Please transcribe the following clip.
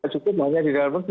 cukup hanya di dalam negeri